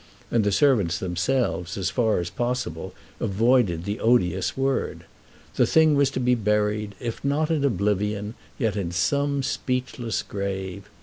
And the servants themselves, as far as was possible, avoided the odious word. The thing was to be buried, if not in oblivion, yet in some speechless grave.